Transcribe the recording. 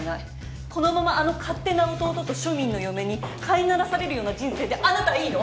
このままあの勝手な弟と庶民の嫁に飼いならされるような人生であなたいいの？